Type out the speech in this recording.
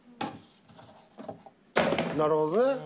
なるほどね。